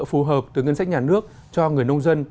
phù hợp từ ngân sách nhà nước cho người nông dân